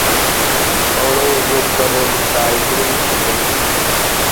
Olowooza okugaba omusaayi kulimu kirungi ki?